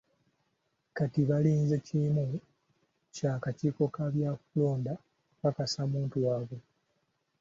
Kati balinze kimu kya kakiiko ka byakulonda kukakasa muntu waabwe.